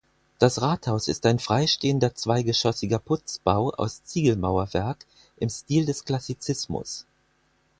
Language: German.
Das Rathaus ist ein freistehender zweigeschossiger Putzbau aus Ziegelmauerwerk im Stil des Klassizismus.